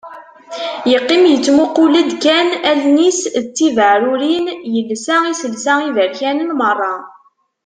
Yeqqim yettmuqul-d kan, Allen-is d tibaɛrurin, yelsa iselsa iberkanen merra.